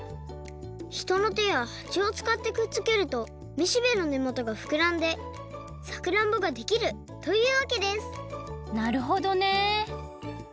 ひとのてやはちをつかってくっつけるとめしべのねもとがふくらんでさくらんぼができるというわけですなるほどね